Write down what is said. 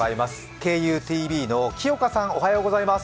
ＫＵＴＶの木岡さん、おはようございます。